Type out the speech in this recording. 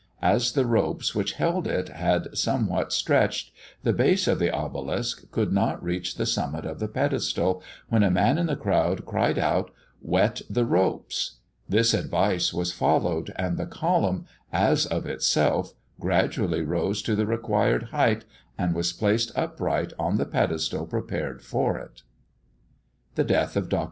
As the ropes which held it had somewhat stretched, the base of the obelisk could not reach the summit of the pedestal, when a man in the crowd cried out, "Wet the ropes!" This advice was followed, and the column, as of itself, gradually rose to the required height, and was placed upright on the pedestal prepared for it. THE DEATH OF DR.